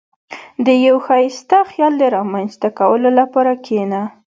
• د یو ښایسته خیال د رامنځته کولو لپاره کښېنه.